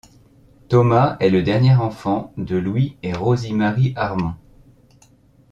Thomas est le dernier enfant de Louis et Rosie Marie Harmon.